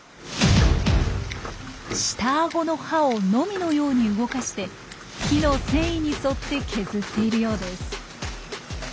下あごの歯をノミのように動かして木の繊維に沿って削っているようです。